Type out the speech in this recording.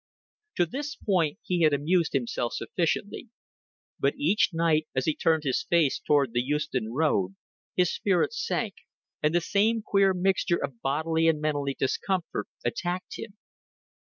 To this point he had amused himself sufficiently; but each night as he turned his face toward the Euston Road, his spirits sank and the same queer mixture of bodily and mental discomfort attacked him.